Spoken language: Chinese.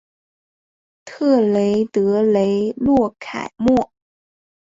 特雷德雷洛凯莫。